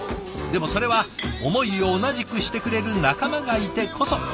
でもそれは思いを同じくしてくれる仲間がいてこそ。